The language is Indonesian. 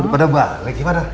udah pada balik gimana